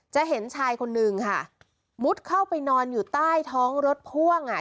จะเห็นชายคนนึงค่ะมุดเข้าไปนอนอยู่ใต้ท้องรถพ่วงอ่ะ